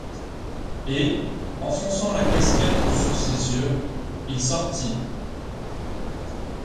Et, enfonçant la casquette sur ses yeux, il sortit.